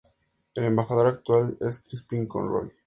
El embajador actual es Crispin Conroy.